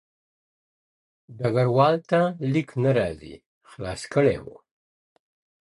ډګروال ته لیک نه راځې خلاص کړی و